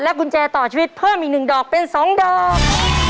กุญแจต่อชีวิตเพิ่มอีก๑ดอกเป็น๒ดอก